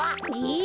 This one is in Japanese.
え！